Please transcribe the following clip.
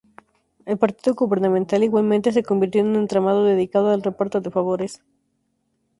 El partido gubernamental igualmente se convirtió en un entramado dedicado al reparto de favores.